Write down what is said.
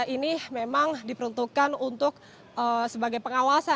ini memang diperuntukkan untuk sebagai pengawal